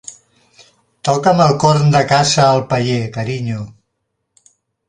Toca'm el corn de caça al paller, carinyo.